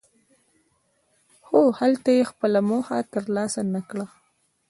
خو هلته یې خپله موخه ترلاسه نکړه.